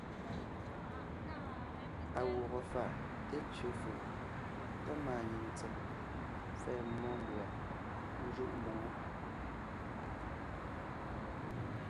À gwɔgɔ fáʼ té tsẅe fʉʼ tá máanyìŋ tsem pfɛ́ɛ mmó mbʉ̀a ńjúʼ mboŋó.